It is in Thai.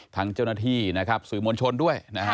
ทั้งเจ้าหน้าที่สุริมวลชนด้วย